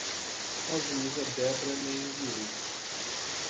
A juíza Debra me enviou.